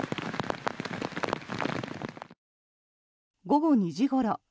午後２時ごろ。